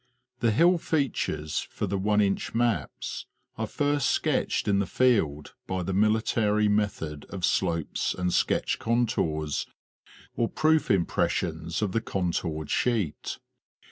The hill features for the one inch maps are first sketched in the field by the military method of slopes and sketch contours or proof impressions of the contoured sheet.